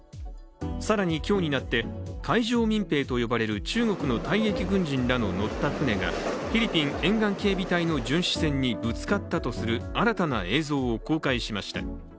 更に今日になって、海上民兵と呼ばれる中国の退役軍人らの乗った船がフィリピン沿岸警備隊の巡視船にぶつかったとする新たな映像を公開しました。